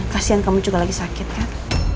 kasian kamu juga lagi sakit kan